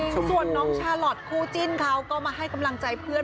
ส่วนน้องชาลอทคู่จิ้นเขาก็มาให้กำลังใจเพื่อน